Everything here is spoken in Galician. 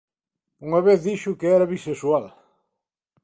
Unha vez dixo que era "bisexual".